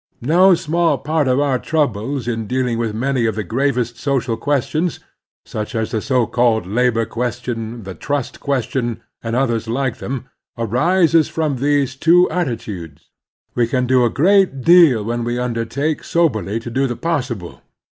No small part of our troubles in dealing with many of the gravest social questions, such as the so called labor question, the trust question, and others like them, arises from these two attitudes. We can do a great deal when we undertake, soberly, to do the possible.